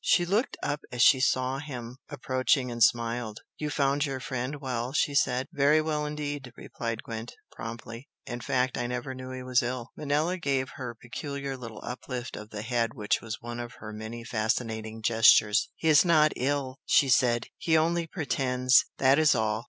She looked up as she saw him approaching and smiled. "You found your friend well?" she said. "Very well, indeed!" replied Gwent, promptly "In fact, I never knew he was ill!" Manella gave her peculiar little uplift of the head which was one of her many fascinating gestures. "He is not ill" she said "He only pretends! That is all!